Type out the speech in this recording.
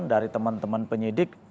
dari teman teman penyidik